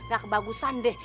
gak kebagusan deh